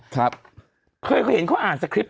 แล้วคุณแค่งี้ครับ